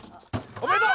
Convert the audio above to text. おめでとう！